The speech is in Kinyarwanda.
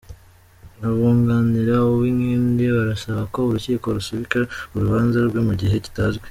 Abunganira Uwinkindi barasaba ko Urukiko rusubika urubanza rwe mu gihe kitazwi